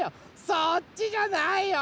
そっちじゃないよ。